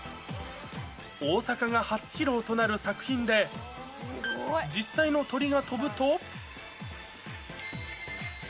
大阪が初披露となる作品で、実際の鳥が飛ぶと。